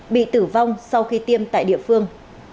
bị tử vong sau khi tiêm tại địa phương